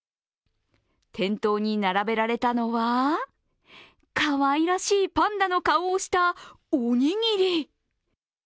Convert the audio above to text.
店頭に並べられたのはかわいらしいパンダの顔をしたおにぎり。